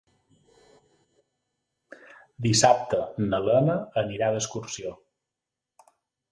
Dissabte na Lena anirà d'excursió.